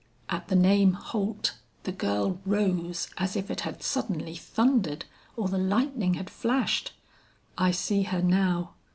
At the name, Holt, the girl rose as if it had suddenly thundered, or the lightning had flashed. I see her now.